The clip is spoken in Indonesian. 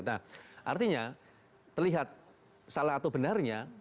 nah artinya terlihat salah atau benarnya